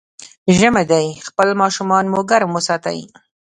ژمی دی، خپل ماشومان مو ګرم وساتئ.